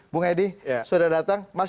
bang edi sudah datang